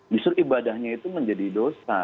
justru ibadahnya itu menjadi dosa